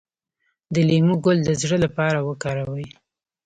د لیمو ګل د زړه لپاره وکاروئ